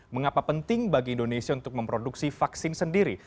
mengapa penting bagi indonesia untuk memproduksi vaksin sendiri